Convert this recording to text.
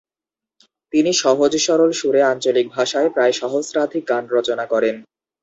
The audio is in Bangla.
তিনি সহজ-সরল সুরে আঞ্চলিক ভাষায় প্রায় সহস্রাধিক গান রচনা করেন।